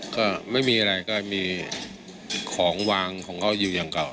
ก็ไม่มีอะไรก็มีของวางของเขาอยู่อย่างเก่า